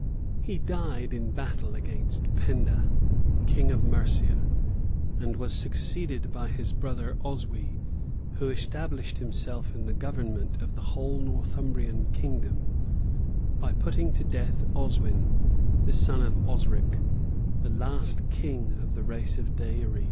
[*][* Bede, lib. iii. cap. 9.] He died in battle against Penda, king of Mercia, and was succeeded by his brother Oswy, who established himself in the government of the whole Northumbrian kingdom, by putting to death Oswin, the son of Osric, the last king of the race of Deïri.